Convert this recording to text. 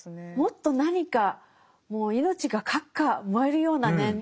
もっと何かもう命がかっか燃えるようなね